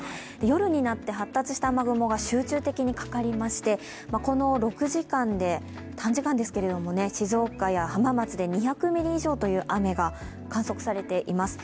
夜になって発達した雨雲が集中的にかかりましてこの６時間で、短時間ですけれども静岡や浜松で、２００ミリ以上という雨が観測されています。